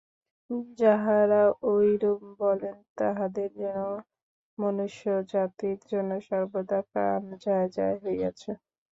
যাঁহারা ঐরূপ বলেন, তাঁহাদের যেন মনুষ্যজাতির জন্য সর্বদা প্রাণ যায় যায় হইয়াছে।